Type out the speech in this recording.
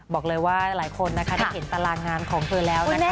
บอกเลยว่าหลายคนนะคะได้เห็นตารางงานของเธอแล้วนะคะ